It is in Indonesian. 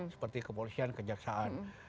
seperti kepolisian kejaksaan